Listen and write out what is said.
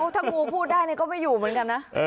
ถ้างูพูดได้ก็ไม่อยู่เหมือนกันนะ